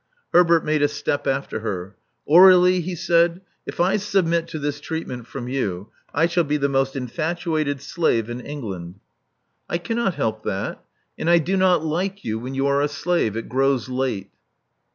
Herbert made a step after her. Aur61ie," he said: if I submit to this treatment from you, I shall be the most infatuated slave in England." Love Among the Artists 329 I cannot help that. And I do not like you when you are a slave. It grows late.